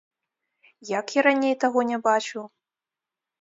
Як я раней таго не бачыў?